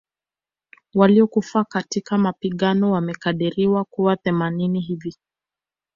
Waliokufa katika mapigano wamekadiriwa kuwa themanini hivi